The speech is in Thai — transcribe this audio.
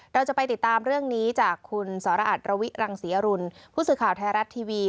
เราจะไปติดตามเรื่องนี้จากคุณสรอัตรวิรังศรีอรุณผู้สื่อข่าวไทยรัฐทีวี